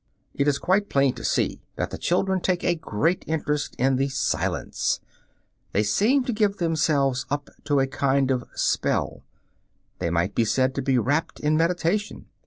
It is quite plain to see that the children take a great interest in the "Silence"; they seem to give themselves up to a kind of spell: they might be said to be wrapped in meditation.